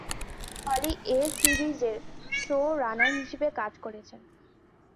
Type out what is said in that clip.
হলি এ সিরিজের শো-রানার হিশেবে কাজ করছেন।